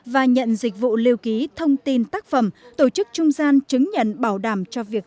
và nhận dịch vụ lưu ký thông tin tác phẩm tổ chức trung gian chứng nhận bảo đảm cho việc